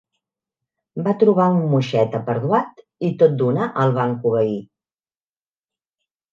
Va trobar un moixet aperduat i tot d'una el va encobeir.